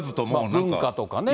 文化とかね。